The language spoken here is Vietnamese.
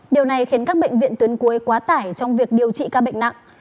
điều này khiến các bệnh viện tuyến cuối quá tải trong việc điều trị ca bệnh nặng